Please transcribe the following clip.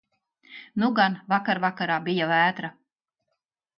Nu gan vakar vakarā bija vētra.